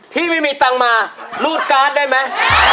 พี่ไม่มีตังค์มารูดการ์ดได้ไหม